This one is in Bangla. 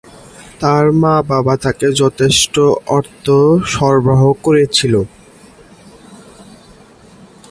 তাঁর বাবা-মা তাকে যথেষ্ট অর্থ সরবরাহ করেছিল।